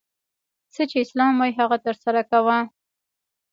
څه چي اسلام وايي هغه ترسره کوه!